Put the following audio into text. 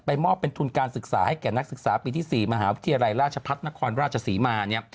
มอบเป็นทุนการศึกษาให้แก่นักศึกษาปีที่๔มหาวิทยาลัยราชพัฒนครราชศรีมา